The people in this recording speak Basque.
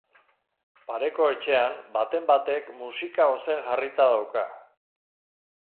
Pareko etxean baten batek musika ozen jarrita dauka.